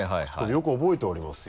よく覚えておりますよ。